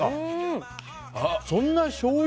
そんなしょうゆ